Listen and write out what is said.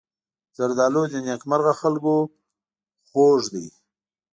زردالو د نېکمرغه خلکو خوږ دی.